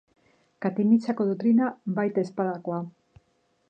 Katiximako doktrina baitezpadakoa.